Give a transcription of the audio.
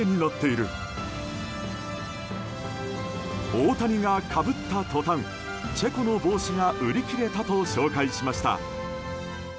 大谷がかぶった途端チェコの帽子が売り切れたと紹介しました。